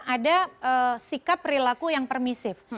ada sikap perilaku yang permisif